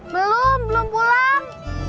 belum belum pulang